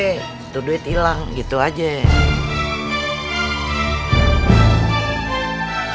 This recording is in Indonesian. itu duit hilang gitu aja